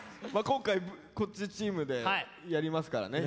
今回こっちチームでやりますからね。